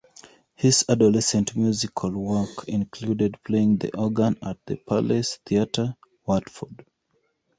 His adolescent musical work included playing the organ at the Palace Theatre, Watford.